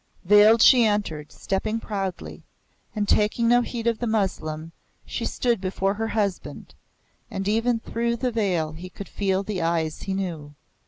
Veiled she entered, stepping proudly, and taking no heed of the Moslem, she stood before her husband, and even through the veil he could feel the eyes he knew.